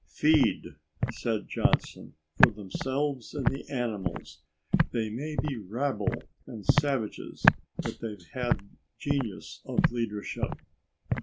"Feed," said Johnson, "for themselves and the animals they may be rabble and savages, but they've had genius of leadership."